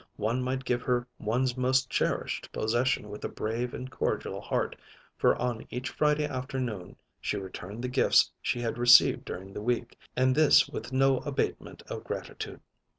One might give her one's most cherished possession with a brave and cordial heart, for on each Friday afternoon she returned the gifts she had received during the week. And this with no abatement of gratitude.